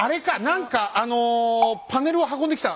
何かあのパネルを運んできた。